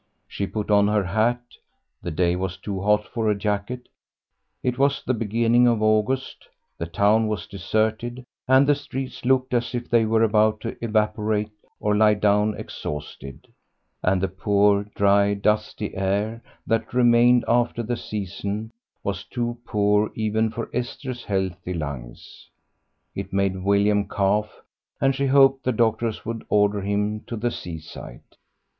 She put on her hat; the day was too hot for a jacket; it was the beginning of August; the town was deserted, and the streets looked as if they were about to evaporate or lie down exhausted, and the poor, dry, dusty air that remained after the season was too poor even for Esther's healthy lungs; it made William cough, and she hoped the doctors would order him to the seaside.